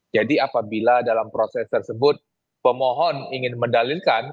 jadi apabila dalam proses tersebut pemohon ingin mendalilkan